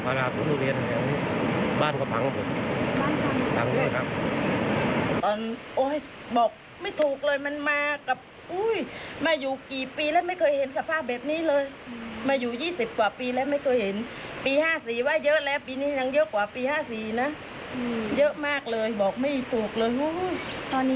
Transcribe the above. ปี๕๔เว้าว่ายเยอะแล้วปีนี้ดีกว่าปี๕๔นะ